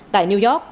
tại new york